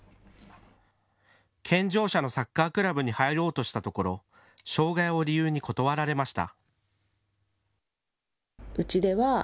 健常者のサッカークラブに入ろうとしたところ障害を理由に断られました。